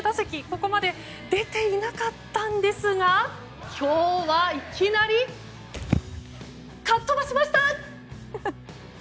ここまで出ていなかったんですが今日は、いきなりかっ飛ばしました！